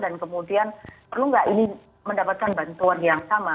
dan kemudian perlu nggak ini mendapatkan bantuan yang sama